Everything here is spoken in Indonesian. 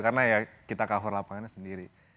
karena ya kita cover lapangannya sendiri